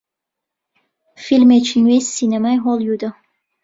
فیلمێکی نوێی سینەمای هۆلیوودە